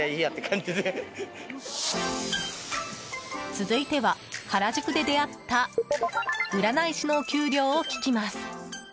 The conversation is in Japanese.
続いては、原宿で出会った占い師のお給料を聞きます。